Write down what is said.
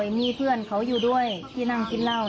นมวดเพื่อนด้วยน้อง